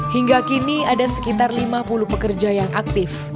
hingga kini ada sekitar lima puluh pekerja yang aktif